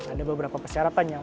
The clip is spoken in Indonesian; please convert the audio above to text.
ada beberapa persyaratan yang